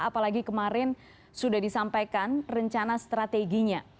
apalagi kemarin sudah disampaikan rencana strateginya